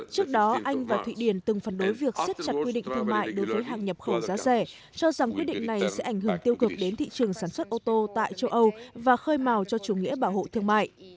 trước đó anh và thụy điển từng phản đối việc siết chặt quy định thương mại đối với hàng nhập khẩu giá rẻ cho rằng quyết định này sẽ ảnh hưởng tiêu cực đến thị trường sản xuất ô tô tại châu âu và khơi màu cho chủ nghĩa bảo hộ thương mại